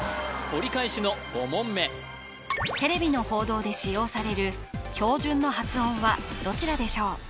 折り返しの５問目テレビの報道で使用される標準の発音はどちらでしょう？